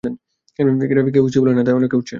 কেউ কিছু বলে না, তাই অনেক উড়ছো।